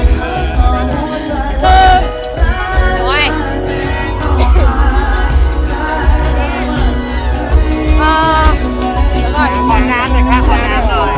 ขอด้านหน่อยขอด้านหน่อย